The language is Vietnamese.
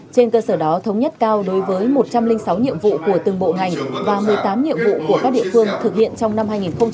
trên cơ sở đó thống nhất cao đối với một trăm linh sáu nhiệm vụ của từng bộ ngành và một mươi tám nhiệm vụ của các địa phương thực hiện trong năm hai nghìn hai mươi